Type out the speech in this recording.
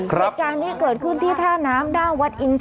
การที่เกิดขึ้นที่ท่าน้ำด้าวัดอินทรัพย์